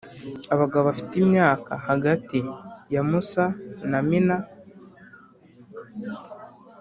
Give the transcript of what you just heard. Abagabo bafite imyaka hagati yamusa na amina